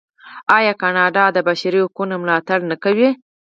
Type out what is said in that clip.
آیا کاناډا د بشري حقونو ملاتړ نه کوي؟